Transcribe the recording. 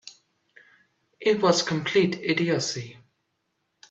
It was complete idiocy.